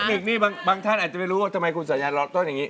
หนึ่งนี่บางท่านอาจจะไม่รู้ว่าทำไมคุณสัญญาณรอต้นอย่างนี้